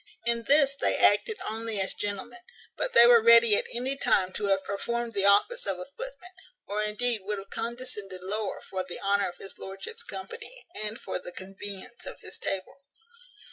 In this they acted only as gentlemen; but they were ready at any time to have performed the office of a footman, or indeed would have condescended lower, for the honour of his lordship's company, and for the convenience of his table.